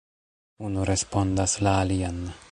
Unu respondas la alian.